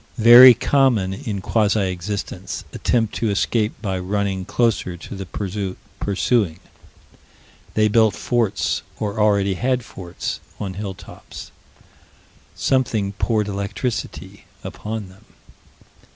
Very common in quasi existence: attempt to escape by running closer to the pursuing. They built forts, or already had forts, on hilltops. Something poured electricity upon them.